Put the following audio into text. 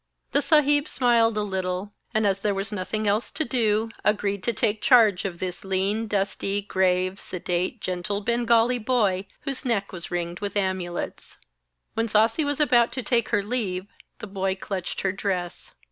The Saheb smiled a little, and, as there was nothing else to do, agreed to take charge of this lean, dusty, grave, sedate, gentle Bengali boy whose neck was ringed with amulets. When Sasi was about to take her leave, the boy clutched her dress.